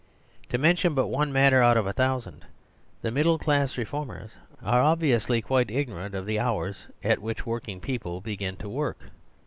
To men tion but one matter out of a thousand, the mid dle class reformers are obviously quite igno rant of the hours at which working people be gin to work.